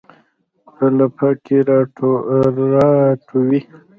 په لپه کې راټوي